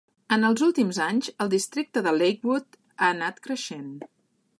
En els últims anys, el districte de Lakewood ha anat creixent.